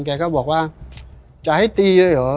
แกก็บอกว่าจะให้ตีเลยเหรอ